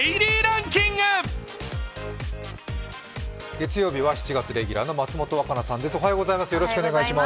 月曜日は７月レギュラーの松本若菜さんです。